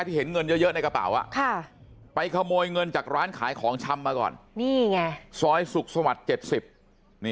เห็นเงินเยอะในกระเป๋าไปขโมยเงินจากร้านขายของชำมาก่อนนี่ไงซอยสุขสวรรค์๗๐นี่